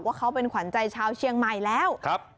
ว่าเขาเป็นขวัญใจชาวเชียงใหม่แล้วครับ